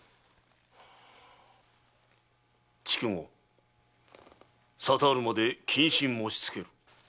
筑後沙汰あるまで謹慎申しつける。